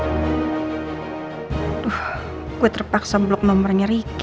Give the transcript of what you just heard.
aduh gue terpaksa blok nomornya ricky